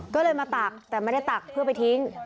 ก็เลยมาตักแต่ไม่ได้ตักเพื่อไปทิ้ง